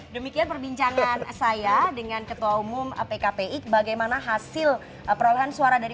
demikian perbincangan saya dengan ketua umum pkpi bagaimana hasil perolehan suara dari